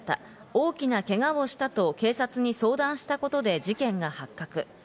大きなけがをしたと警察に相談したことで事件が発覚。